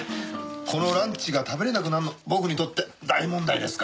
このランチが食べられなくなるの僕にとって大問題ですから。